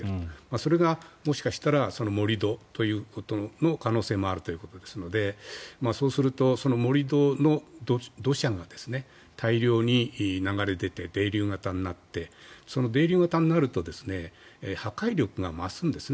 それがもしかしたら盛り土ということの可能性もあるということですのでそうすると、その盛り土の土砂が大量に流れ出て泥流型になってその泥流型になると破壊力が増すんですね